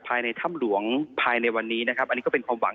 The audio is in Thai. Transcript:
ภายในถ้ำหลวงภายในวันนี้นะครับอันนี้ก็เป็นความหวัง